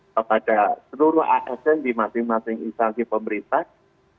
kepada seluruh asn di masing masing instansi pemerintah